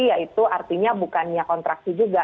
yaitu artinya bukannya kontraksi juga